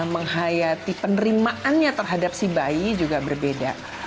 menghayati penerimaannya terhadap si bayi juga berbeda